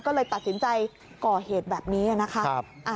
ก็เลยตัดสินใจก่อเหตุแบบนี้นะคะ